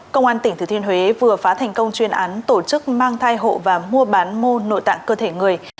công an tỉnh thừa thiên huế vừa phá thành công chuyên án tổ chức mang thai hộ và mua bán mô nội tạng cơ thể người